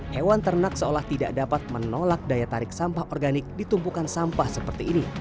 hewan ternak seolah tidak dapat menolak daya tarik sampah organik ditumpukan sampah seperti ini